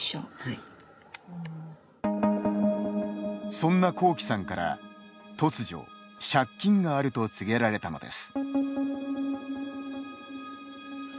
そんなこうきさんから、突如「借金がある」と告げられたのです。